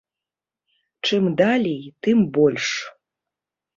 Чым далей, тым больш.